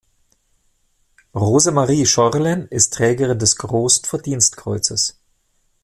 Rosemarie Scheurlen ist Trägerin des Großen Verdienstkreuzes.